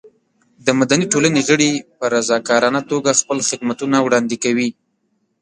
د مدني ټولنې غړي په رضاکارانه توګه خپل خدمتونه وړاندې کوي.